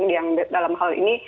yang dalam hal ini